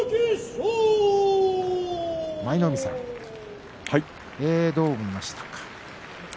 舞の海さん、どう見ましたか？